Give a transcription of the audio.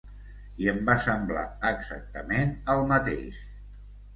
I em va semblar exactament el mateix;